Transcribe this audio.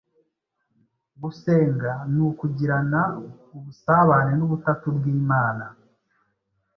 Gusenga ni ukugirana ubusabane n’Ubutatu bw’Imana.